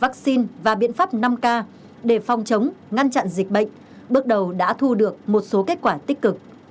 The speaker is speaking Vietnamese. trước đầu đã thu được một số kết quả tích cực